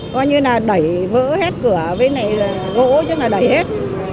coi như là đẩy vỡ hết cửa bên này là gỗ chứ là đẩy hết